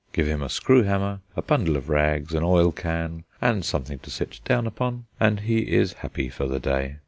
Give him a screw hammer, a bundle of rags, an oil can, and something to sit down upon, and he is happy for the day.